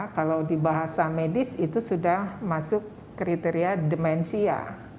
kalau di bahasa medis itu sudah masuk kriteria demensia